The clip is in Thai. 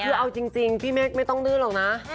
คือเอาจริงพี่เมฆไม่ต้องดื้อหรอกนะ